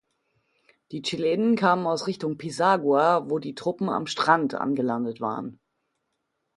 Die Chilenen kamen aus Richtung Pisagua, wo die Truppen am Strand angelandet waren.